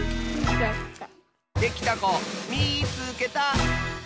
できたこみいつけた！